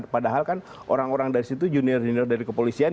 padahal kan orang orang dari situ junior junior dari kepolisian